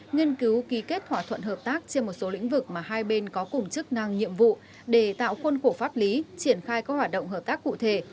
nghiên cứu ký kết thỏa thuận hợp tác trên một số lĩnh vực mà hai bên có cùng chức năng nhiệm vụ để tạo khuôn khổ pháp lý triển khai các hoạt động hợp tác cụ thể